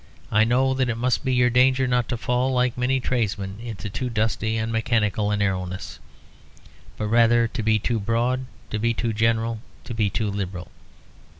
I know that it must be your danger not to fall like many tradesmen into too dusty and mechanical a narrowness, but rather to be too broad, to be too general, too liberal.